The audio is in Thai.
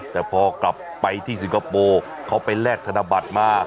แต่พอกลับไปที่สิงคโปร์เขาไปแลกธนบัตรมา